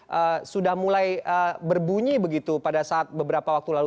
yang sudah mulai berbunyi begitu pada saat beberapa waktu lalu